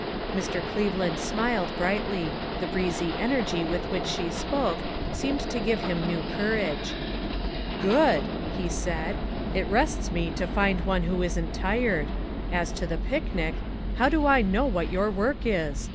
Mr. Cleveland smiled brightly; the breezy energy with which she spoke seemed to give him new courage. "Good!" he said. "It rests me to find one who isn't tired. As to the picnic ; how do I know what your work is?